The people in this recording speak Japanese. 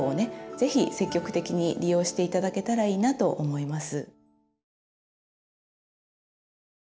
ぜひ積極的に利用して頂けたらいいなと思います。